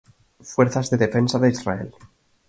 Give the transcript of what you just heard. Fuerzas de Defensa de Israel